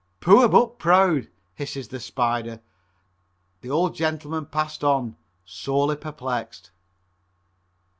"Poor but proud," hisses the "Spider." The old gentleman passed on, sorely perplexed.